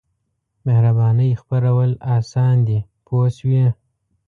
مهربانۍ خپرول اسان دي پوه شوې!.